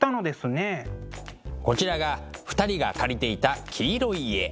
こちらが２人が借りていた黄色い家。